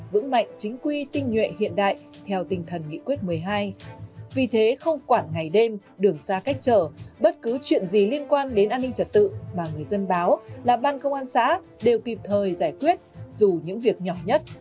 vì thế không quản ngày đêm đường xa cách trở bất cứ chuyện gì liên quan đến an ninh trật tự mà người dân báo là ban công an xã đều kịp thời giải quyết dù những việc nhỏ nhất